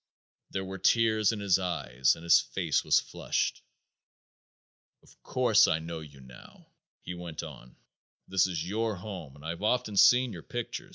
There were tears in his eyes and his face was flushed. "Of course I know you now," he went on. "This is your home and I have often seen your picture.